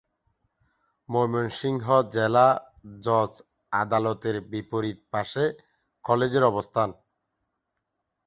ময়মনসিংহ জেলা জজ আদালতের বিপরীত পাশে কলেজের অবস্থান।